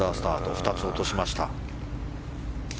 ２つ落としました。